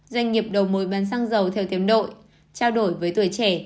doanh nghiệp đầu mối bán xăng dầu theo tiềm nội trao đổi với tuổi trẻ